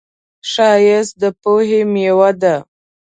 ښایست د پوهې میوه ده